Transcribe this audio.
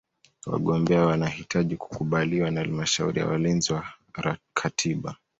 Wagombea wanahitaji kukubaliwa na Halmashauri ya Walinzi wa Katiba.